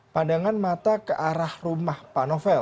pandangan mata ke arah rumah pak novel